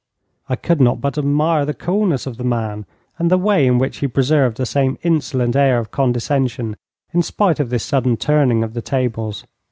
I could not but admire the coolness of the man, and the way in which he preserved the same insolent air of condescension in spite of this sudden turning of the tables.